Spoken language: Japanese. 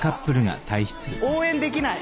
⁉応援できない。